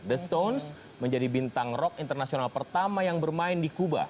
the stones menjadi bintang rock internasional pertama yang bermain di kuba